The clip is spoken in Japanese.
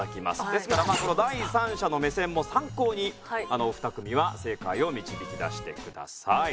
ですからその第三者の目線も参考にお二組は正解を導き出してください。